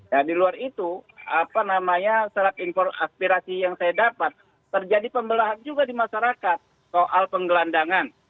nah di luar itu apa namanya aspirasi yang saya dapat terjadi pembelahan juga di masyarakat soal penggelandangan